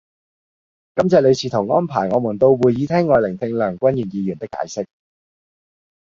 感謝你試圖安排我們到會議廳外聆聽梁君彥議員的解釋